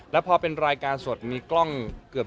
แล้วพอเป็นรายการสดมีกล้องเกือบ